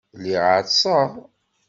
Lliɣ ɛeṭṭseɣ.